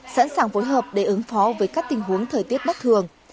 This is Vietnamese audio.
sẵn sàng phối hợp để ứng phó với các tình huống thời tiết bất thường